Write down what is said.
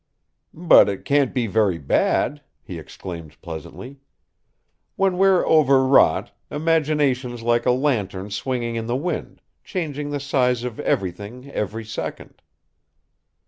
"But it can't be very bad!" he exclaimed pleasantly. "When we're overwrought, imagination's like a lantern swinging in the wind, changing the size of everything every second."